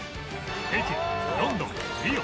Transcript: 北京ロンドンリオ